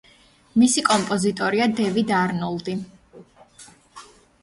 მისი კომპოზიტორია დევიდ არნოლდი.